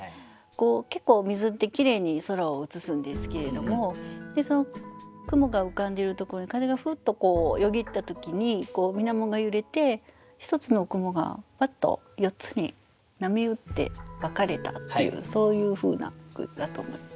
結構水ってきれいに空を映すんですけれども雲が浮かんでいるところに風がふっとよぎった時にみなもが揺れて一つの雲がパッと４つに波打って分かれたっていうそういうふうな句だと思います。